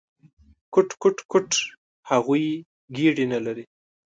_کوټ، کوټ، کوټ… هغوی ګېډې نه لري!